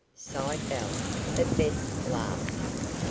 sighed Belle, but Bess laughed.